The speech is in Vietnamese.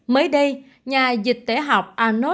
mới đây nhà dịch tế học arnaud foucault